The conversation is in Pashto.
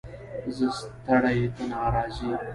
ـ زه ستړى ته ناراضي.